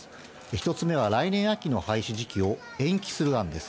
１つ目は来年秋の廃止時期を延期する案です。